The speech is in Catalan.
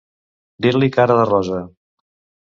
Dir-li cara de rosa.